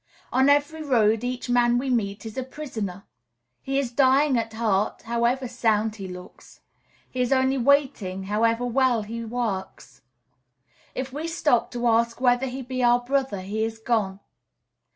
On every road each man we meet is a prisoner; he is dying at heart, however sound he looks; he is only waiting, however well he works. If we stop to ask whether he be our brother, he is gone.